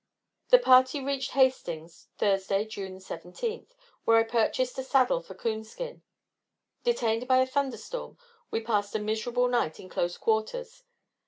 The party reached Hastings Thursday, June 17, where I purchased a saddle for Coonskin. Detained by a thunderstorm, we passed a miserable night in close quarters.